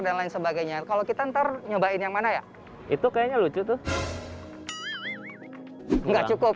dan lain sebagainya kalau kita ntar nyobain yang mana ya itu kayaknya lucu tuh nggak cukup